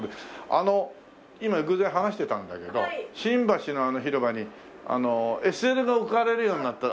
あの今偶然話してたんだけど新橋の広場にＳＬが置かれるようになった。